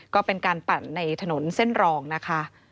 ก็เป็นการปั่นในถนนเส้นรองนะคะ